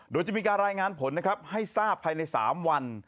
โดยจะมีการรายงานผลนะครับให้ทราบภายใน๓วัน